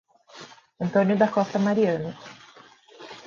Antônio da Costa Mariano